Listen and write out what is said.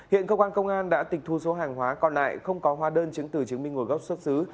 hiện cơ quan công an đã tịch thu số hàng hóa còn lại không có hóa đơn chứng từ chứng minh nguồn gốc xuất xứ